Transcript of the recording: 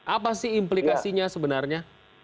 apa sih implikasinya sebenarnya